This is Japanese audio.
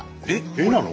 絵なの？